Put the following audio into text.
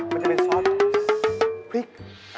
มันจะเป็นซอสพริก